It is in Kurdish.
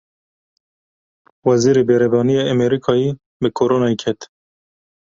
Wezîrê Berevaniya Amerîkayê bi Koronayê ket.